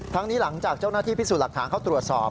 นี้หลังจากเจ้าหน้าที่พิสูจน์หลักฐานเข้าตรวจสอบ